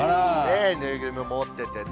縫いぐるみも持っててね。